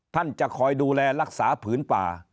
จะคอยดูแลรักษาผืนป่า